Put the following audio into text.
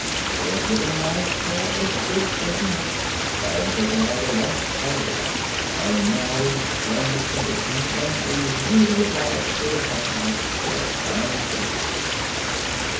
"They have given my straw a good shaking up and taken all the lumps out of it. I am now in splendid condition and am really obliged to the Tottenhots for their kind treatment."